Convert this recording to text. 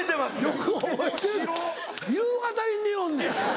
よく覚えてる夕方に寝よんねん。